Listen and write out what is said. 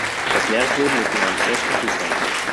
Das Meeresleben ist in einem schlechten Zustand.